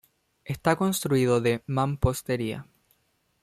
Está construido de mampostería.